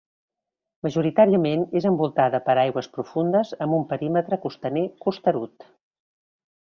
Majoritàriament és envoltada per aigües profundes amb un perímetre costaner costerut.